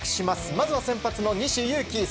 まずは先発の西勇輝。